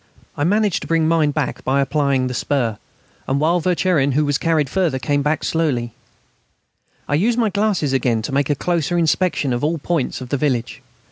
I managed to bring mine back by applying the spur, and while Vercherin, who was carried further, came back slowly, I used my glasses again, to make a closer inspection of all the points of the village.